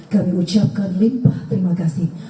kami ucapkan limpah terima kasih